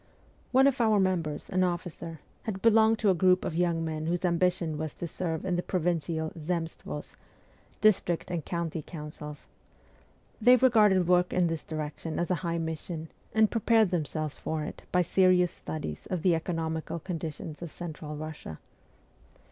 One of our members, an officer, had belonged to a group of young men whose ambition was to serve in the provincial Zemstvos (district and county councils). They regarded work in this direction as a high mission, and prepared themselves for it by serious studies of the economical conditions of Central Russia.